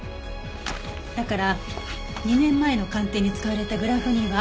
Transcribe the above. だから２年前の鑑定に使われたグラフには。